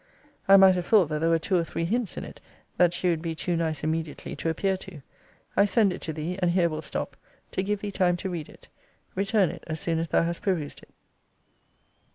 I might have thought that there were two or three hints in it, that she would be too nice immediately to appear to. I send it to thee; and here will stop, to give thee time to read it. Return it as soon as thou hast perused it.